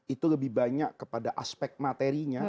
itu lebih banyak kepada aspek materinya